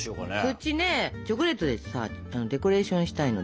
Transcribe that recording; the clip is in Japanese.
そっちねチョコレートでさデコレーションしたいので。